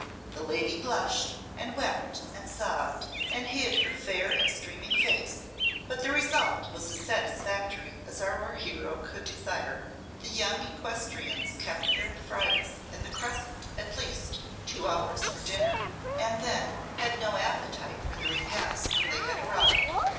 The lady blushed, and wept, and sobbed, and hid her fair and streaming face; but the result was as satisfactory as our hero could desire. The young equestrians kept their friends in the crescent at least two hours for dinner, and then had no appetite for the repast when they had arrived.